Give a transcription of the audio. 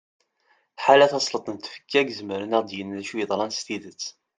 ḥala tasleḍt n tfekka i izemren ad aɣ-yinin acu yeḍran s tidet